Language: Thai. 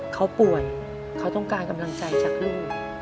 เขาป่วยเขาต้องการกำลังใจจากลูก